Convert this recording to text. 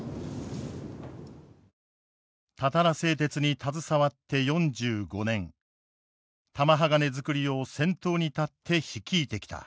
たたら製鉄に携わって４５年玉鋼づくりを先頭に立って率いてきた。